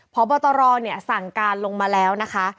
พบตรสั่งการลงมาแล้วนะคะ